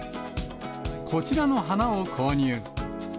こちらの花を購入。